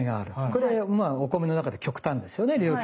これまあお米の中で極端ですよね両極。